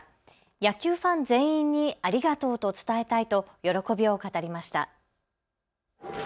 野球ファン全員にありがとうと伝えたいと喜びを語りました。